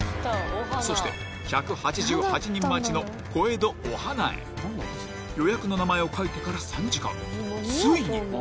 そして１８８人待ちの小江戸オハナへ予約の名前を書いてから３時間ついに！